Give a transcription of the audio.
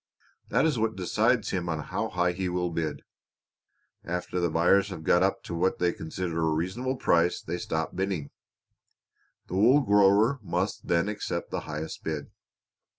That is what decides him on how high he will bid. After the buyers have got up to what they consider a reasonable price they stop bidding. The wool grower must then accept the highest bid."